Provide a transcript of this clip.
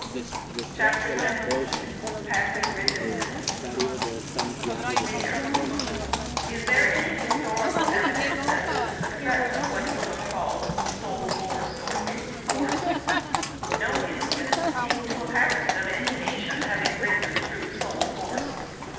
CHAPTER XVII PASSIVE RESISTANCE READER: Is there any historical evidence as to the success of what you have called soul force or truth force? No instance seems to have happened of any nation having risen through soul force.